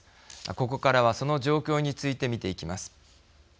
ここからはその状況について見ていきます。